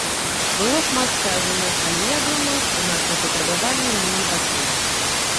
Было шмат сказана, але я думаю, што нашыя патрабаванні яны не пачулі.